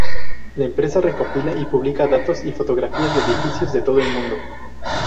La empresa recopila y publica datos y fotografías de edificios de todo el mundo.